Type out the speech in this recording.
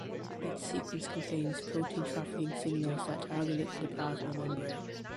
Its sequence contains protein trafficking signals that target it to the plasma membrane.